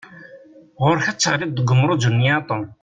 Ɣur-k ad teɣliḍ deg urmuj-nni a Tom!